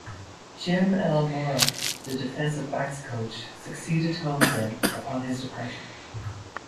Jim L. Mora, the defensive backs coach, succeeded Holmgren upon his departure.